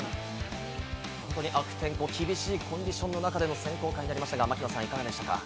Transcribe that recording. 本当に悪天候、厳しいコンディションの中での選考会となりましたが、槙野さん、いかがですか？